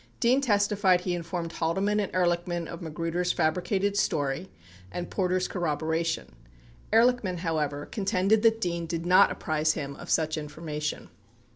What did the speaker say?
1 Dean testified he informed Haldeman and Ehrlichman of Magruder's fabricated story and Porter's corroboration. 2 Ehrlichman, however, contended that Dean did not apprise him of such information.